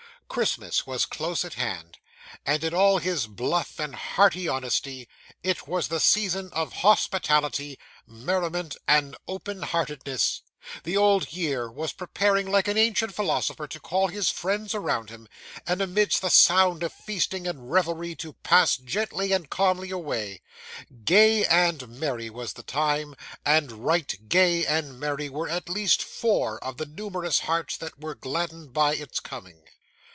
Christmas was close at hand, in all his bluff and hearty honesty; it was the season of hospitality, merriment, and open heartedness; the old year was preparing, like an ancient philosopher, to call his friends around him, and amidst the sound of feasting and revelry to pass gently and calmly away. Gay and merry was the time; and right gay and merry were at least four of the numerous hearts that were gladdened by its coming.